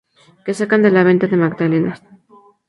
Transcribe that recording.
que sacan de la venta de magdalenas